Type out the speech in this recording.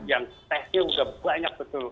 yang testnya sudah banyak